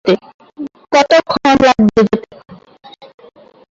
কতক্ষণ লাগবে যেতে?